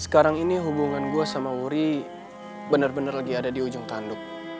sekarang ini hubungan gue sama wuri benar benar lagi ada di ujung tanduk